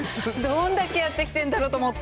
どんだけやってきてんだろうと思って。